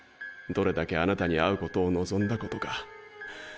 どれだけあなたに逢うことを望んだことか。